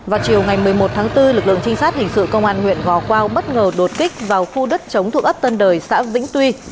vào chiều ngày một mươi một tháng bốn lực lượng trinh sát hình sự công an huyện gò quao bất ngờ đột kích vào khu đất chống thuộc ấp tân đời xã vĩnh tuy